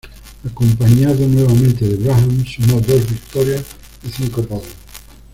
Acompañado nuevamente de Brabham, sumó dos victorias y cinco podios.